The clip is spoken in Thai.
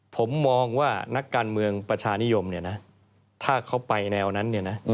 ผมมองว่านักการเมืองประชานิยมถ้าเขาไปแนวนั้น